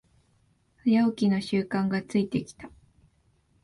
早起きの習慣がついてきた